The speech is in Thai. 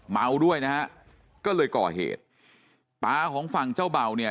เมาด้วยนะฮะก็เลยก่อเหตุตาของฝั่งเจ้าเบาเนี่ย